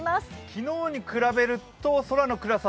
昨日に比べると空の暗さ